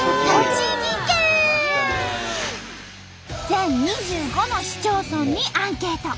全２５の市町村にアンケート。